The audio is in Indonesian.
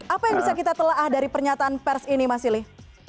apa yang bisa kita telah dari pernyataan pers ini mas silih